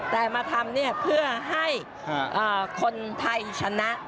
แต่มาทำเนี่ยเพื่อให้คนไทยชนะ